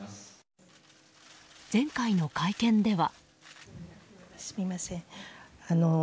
前回の会見では。